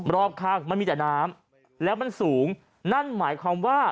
รอบข้างมันมีแต่น้ำแล้วมันสูงนั่นหมายความว่า